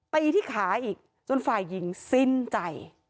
ตีที่ขาอีกจนฝ่ายหญิงสิ้นใจ